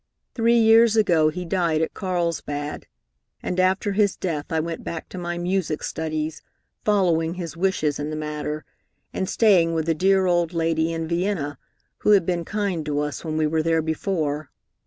Three years ago he died at Carlsbad, and after his death I went back to my music studies, following his wishes in the matter, and staying with a dear old lady in Vienna, who had been kind to us when we were there before.